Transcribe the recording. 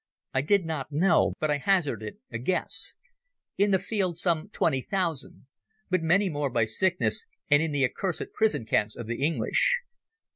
I did not know, but I hazarded a guess. "In the field some twenty thousand. But many more by sickness and in the accursed prison camps of the English."